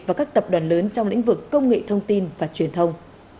và các tập đoàn lớn trong lĩnh vực công nghệ thông tin và truyền thông